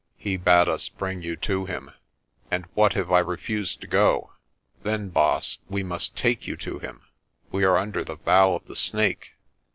"He bade us bring you to him." "And what if I refuse to go?" "Then, Baas, we must take you to him. We are under the vow of the Snake."